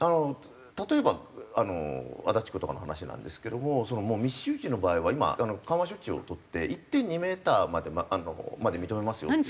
例えばあの足立区とかの話なんですけども密集地の場合は今緩和措置を取って１．２メーターまで認めますよっていう。